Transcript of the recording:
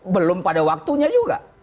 belum pada waktunya juga